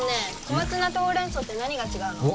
小松菜とほうれんそうって何が違うの？